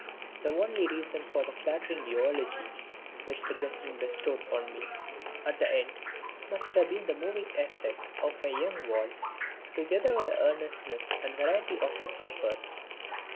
The only reason for the flattering eulogy which the President bestowed on me at the end must have been the moving effect of my young voice together with the earnestness and variety of its efforts.